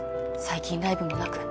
最近ライブもなく」